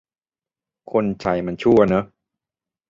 คนไทยมันชั่วเนอะ